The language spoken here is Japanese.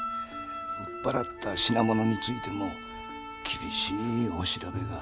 売っ払った品物についても厳しいお調べが。